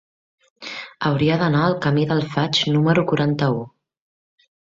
Hauria d'anar al camí del Faig número quaranta-u.